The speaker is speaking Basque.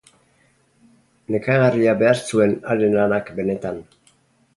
Nekagarria behar zuen haren lanak benetan.